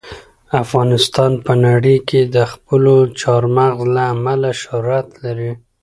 افغانستان په نړۍ کې د خپلو چار مغز له امله شهرت لري.